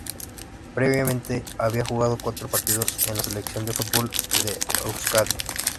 Previamente, había jugado cuatro partidos con la selección de fútbol de Euskadi.